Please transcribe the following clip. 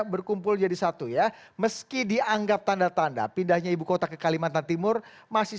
berkumpul jadi satu ya meski dianggap tanda tanda pindahnya ibu kota ke kalimantan timur masih